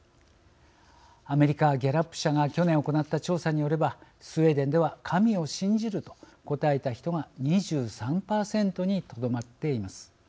アメリカ・ギャラップ社が去年行った調査によればスウェーデンでは神を信じると答えた人が２３％にとどまっています。